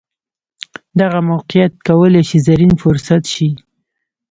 دغه موقیعت کولای شي زرین فرصت شي.